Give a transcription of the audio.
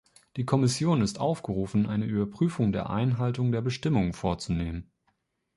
Die Kommission ist aufgerufen, eine Überprüfung der Einhaltung der Bestimmungen vorzunehmen.